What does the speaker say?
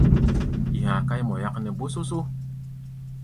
Yi ha̧a̧ káí mɔ yáknɛ́ bósósó.